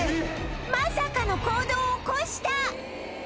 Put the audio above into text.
まさかの行動を起こした！